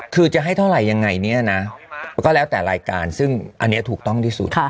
คือจะให้เท่าไหร่ยังไงเนี่ยนะก็แล้วแต่รายการซึ่งอันนี้ถูกต้องที่สุด